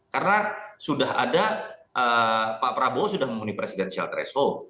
karena sudah ada pak prabowo sudah memenuhi presidential threshold